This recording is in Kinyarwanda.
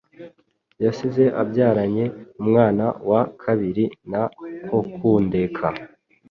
yasize abyaranye umwana wa kabiri na Kokundeka,